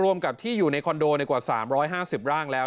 รวมกับที่อยู่ในคอนโดในกว่า๓๕๐ร่างแล้ว